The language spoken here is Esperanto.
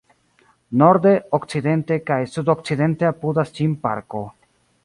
Norde, okcidente kaj sudokcidente apudas ĝin parko.